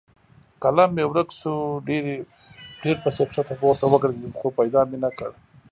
قلم مې ورک شو؛ ډېر پسې کښته پورته وګرځېدم خو پیدا مې نه کړ.